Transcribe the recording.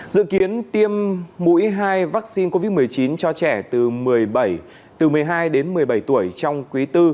dự kiến tiêm mũi hai vaccine covid một mươi chín cho trẻ từ một mươi hai đến một mươi bảy tuổi trong quý bốn